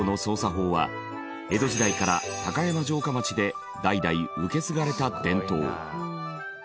法は江戸時代から高山城下町で代々受け継がれた伝統。